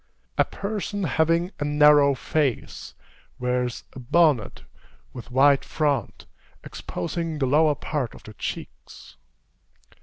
A person having a narrow face, wears a bonnet with wide front, exposing the lower part of the cheeks.